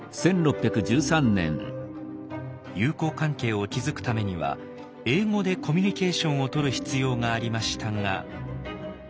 友好関係を築くためには英語でコミュニケーションをとる必要がありましたが。